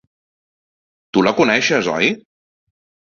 Tu la coneixes, oi?